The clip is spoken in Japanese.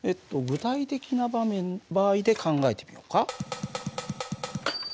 具体的な場合で考えてみようか。